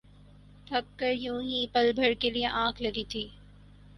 تھک کر یوں ہی پل بھر کے لیے آنکھ لگی تھی